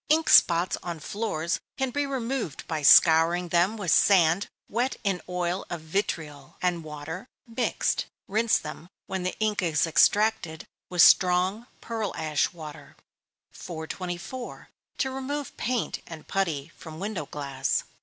_ Ink spots on floors can be removed by scouring them with sand wet in oil of vitriol, and water, mixed. Rinse them, when the ink is extracted, with strong pearl ash water. 424. _To remove Paint and Putty from Window Glass.